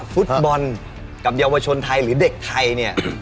ฟุตบอลกับเยาวชนไทยหรือเด็กไทยเนี่ย